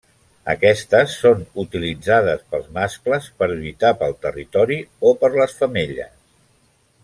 Aquestes són utilitzades pels mascles per lluitar pel territori o per les femelles.